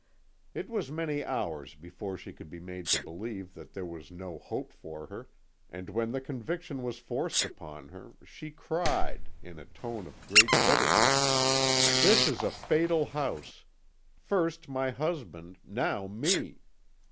"It was many hours before she could be made to believe that there was no hope for her, and when the conviction was forced upon her, she cried, in a tone of great bitterness: "'This is a fatal house! First my husband now me!